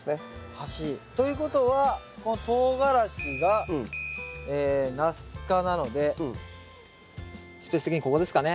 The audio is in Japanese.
端ということはこのトウガラシがナス科なのでスペース的にここですかね？